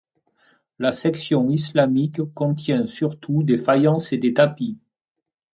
La section islamique contient surtout des faïences et des tapis.